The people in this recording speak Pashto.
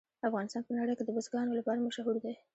افغانستان په نړۍ کې د بزګانو لپاره مشهور دی.